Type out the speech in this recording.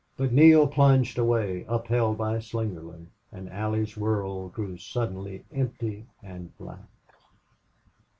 But Neale plunged away, upheld by Slingerland, and Allie's world grew suddenly empty and black.